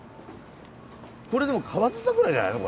これでも河津桜じゃないの？